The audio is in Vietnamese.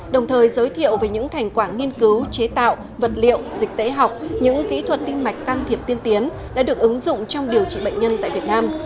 đồng thời giới thiệu về những thành quả nghiên cứu chế tạo vật liệu dịch tễ học những kỹ thuật tim mạch can thiệp tiên tiến đã được ứng dụng trong điều trị bệnh nhân tại việt nam